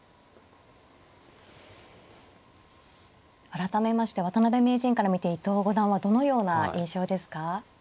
改めまして渡辺名人から見て伊藤五段はどのような印象ですか。